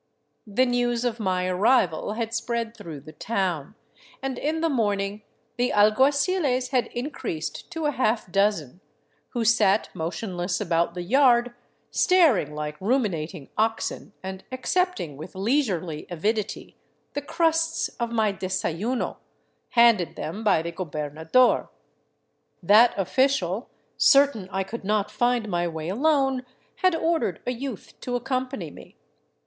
The news of my arrival had spread through the town, and in the morning the alguaciles had increased to a half dozen, who sat motionless about the yard, staring like ruminat ing oxen and accepting with leisurely avidity the crusts of my de sayuno, handed them by the gobernador. That official, certain I could not find my way alone, had ordered a youth to accompany me.